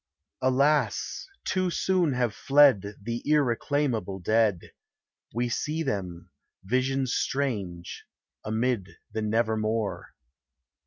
Alas! too soon have fled The irreclaimable dead: We see them — visions strange — amid the *v Nevermore.